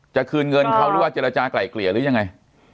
คืนเงินเขาหรือว่าเจรจากลายเกลี่ยหรือยังไง